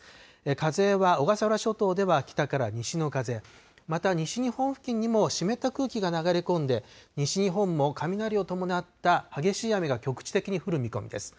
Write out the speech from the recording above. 風は小笠原諸島では北から西の風、また西日本付近にも湿った空気が流れ込んで、西日本も雷を伴った激しい雨が局地的に降る見込みです。